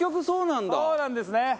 そうなんですね。